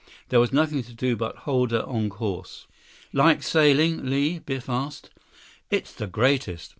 There was nothing to do but hold her on course. "Like sailing, Li?" Biff asked. "It's the greatest.